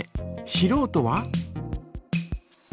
しろうとは？